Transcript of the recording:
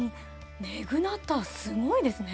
ネグナッターすごいですね。